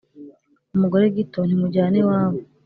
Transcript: Umugore gito ntimujyana iwabo.